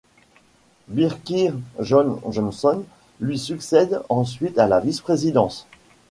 Birkir Jón Jónsson lui succède ensuite à la vice-présidence.